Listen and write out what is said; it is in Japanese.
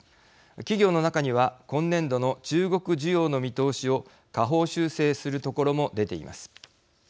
企業の中には今年度の中国需要の見通しを下方修正するところも出ています。